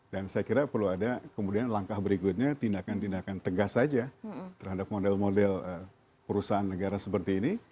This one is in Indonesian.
saya kira perlu ada kemudian langkah berikutnya tindakan tindakan tegas saja terhadap model model perusahaan negara seperti ini